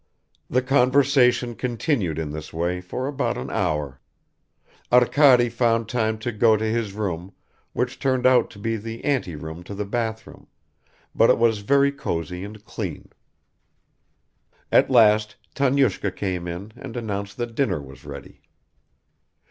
The conversation continued in this way for about an hour. Arkady found time to go to his room which turned out to be the anteroom to the bathroom, but it was very cosy and clean. At last Tanyushka came in and announced that dinner was ready.